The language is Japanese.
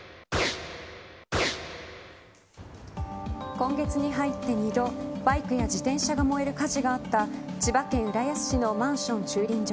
今月に入って２度バイクや自転車が燃える火事があった千葉県浦安市のマンションの駐輪場。